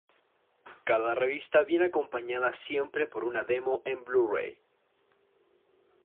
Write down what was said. Cada revista viene acompañada siempre por una demo en Blu-ray.